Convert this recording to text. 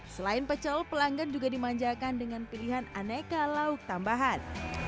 selain pecel pelanggan juga dimanjakan dengan pilihan aneka lauk tambahan